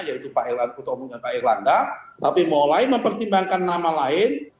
yaitu pak erlangga tapi mulai mempertimbangkan nama lain